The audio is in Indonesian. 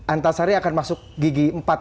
antasari akan masuk gigi empat